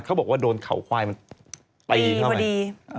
เขาบอกว่าโดนเข่าควายมันตีเข้ามา